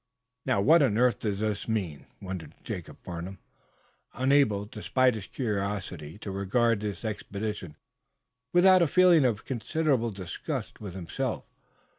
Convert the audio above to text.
"Now, what on earth does this all mean?" wondered Jacob Farnum, unable, despite his curiosity, to regard this expedition without a feeling of considerable disgust with himself.